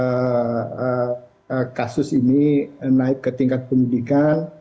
nah di penanganan sendiri misalnya kepolisian kan sudah merilis kasus ini naik ke tingkat pendidikan